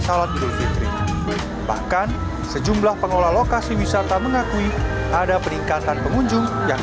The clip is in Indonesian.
salat idul fitri bahkan sejumlah pengolah lokasi wisata mengakui ada peningkatan pengunjung yang